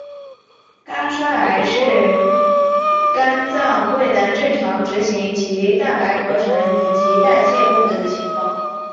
肝衰竭是一种肝脏未能正常执行其蛋白合成以及代谢功能的情况。